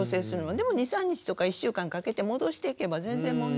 でも２３日とか１週間かけて戻していけば全然問題ないので。